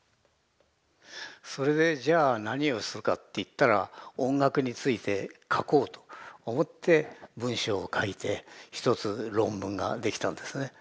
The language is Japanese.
それでじゃあ何をするかっていったら音楽について書こうと思って文章を書いて１つ論文ができたんですね。